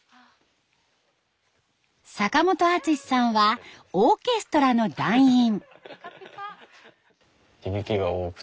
坂本敦さんはオーケストラの団員。